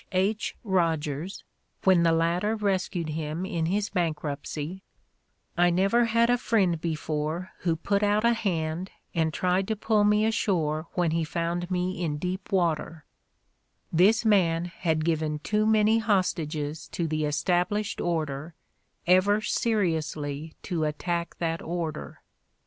H. Rogers, when the latter rescued him in his bankruptcy, "I never had a friend before who put out a hand and tried to pull me ashore when he found me in deep water ''— this man had given too many hostages to the established order ever seriously to attack that order.